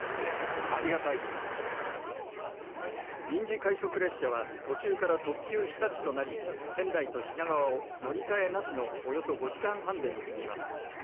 臨時快速列車は途中から特急ひたちとなり仙台と品川を乗り換えなしのおよそ５時間半で結びます。